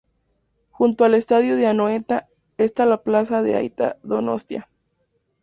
Junto al estadio de Anoeta está la plaza de Aita Donostia.